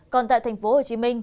còn tại tp hcm